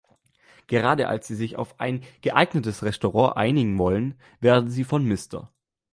Gerade als sie sich auf ein geeignetes Restaurant einigen wollen, werden sie von Mr.